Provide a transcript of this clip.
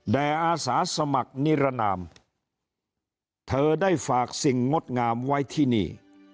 อาสาสมัครนิรนามเธอได้ฝากสิ่งงดงามไว้ที่นี่